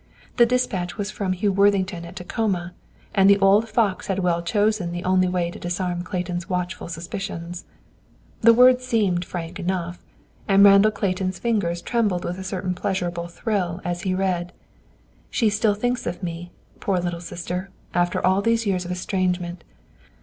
The dispatch was from Hugh Worthington at Tacoma, and the old fox had well chosen the only way to disarm Clayton's watchful suspicions. The words seemed frank enough, and Randall Clayton's fingers trembled with a certain pleasurable thrill as he read. "She still thinks of me, poor Little Sister, after all these years of estrangement.